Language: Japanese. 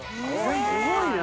すごいね！